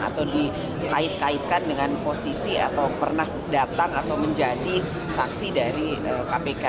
atau dikait kaitkan dengan posisi atau pernah datang atau menjadi saksi dari kpk